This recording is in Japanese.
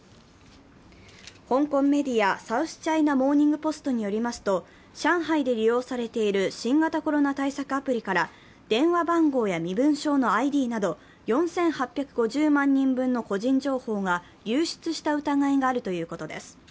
香港メディア「サウスチャイナ・モーニング・ポスト」によりますと、上海で利用されている新型コロナ対策アプリから電話番号や身分証のＩＤなど４８５０万人分の個人情報が流出した疑いがあるということです。